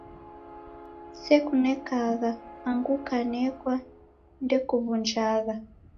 Sukunekagha, angu kanekwa ndekuw'unjagha